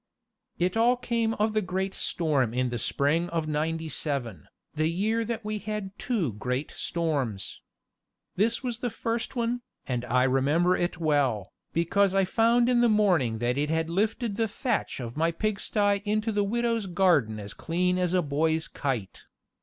It all came of the great storm in the spring of '97, the year that we had two great storms. This was the first one, and I remember it well, because I found in the morning that it had lifted the thatch of my pigsty into the widow's garden as clean as a boy's kite.